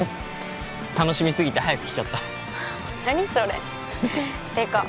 楽しみすぎて早く来ちゃった何それていうか